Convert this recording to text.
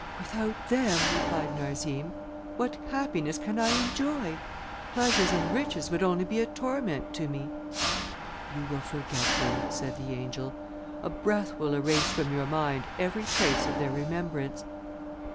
"Without them," replied Narzim, "what happiness can I enjoy? Pleasures and riches would only be a torment to me." "You will forget them," said the angel. "A breath will erase from your mind every trace of their remembrance."